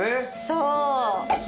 そう。